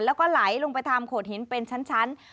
แล้วก็ไหลลงไปตามโขดหินเป็นชั้น